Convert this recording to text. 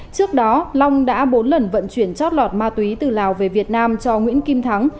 trước đó long đã bốn lần vận chuyển chót lọt ma túy từ lào về việt nam cho nguyễn kim thắng